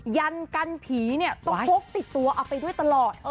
ยันกันผีเนี่ยต้องพกติดตัวเอาไปด้วยตลอด